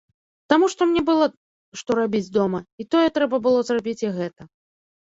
Таму што мне было што рабіць дома, і тое трэба было зрабіць, і гэта.